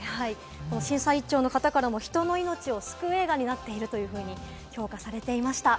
審査委員長の方からも、人の命を救う映画になっていると評価されていました。